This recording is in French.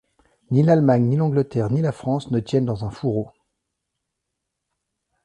Ni l’Allemagne, ni l’Angleterre, ni la France, ne tiennent dans un fourreau.